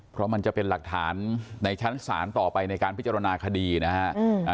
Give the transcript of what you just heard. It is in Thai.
เพราะมันจะเป็นหลักฐานในชั้นศาลต่อไปในการพิจารณาคดีนะฮะ